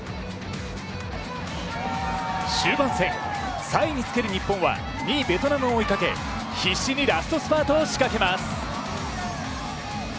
終盤戦、３位につける日本は２位ベトナムを追いかけ必死にラストスパートを仕掛けます。